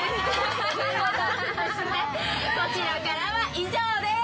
こちらからは以上です。